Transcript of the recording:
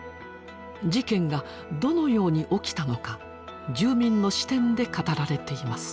事件がどのように起きたのか住民の視点で語られています。